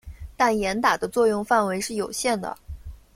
但严打的作用范围是有限的。